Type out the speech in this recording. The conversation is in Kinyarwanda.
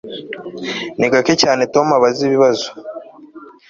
Ni gake cyane Tom abaza ibibazo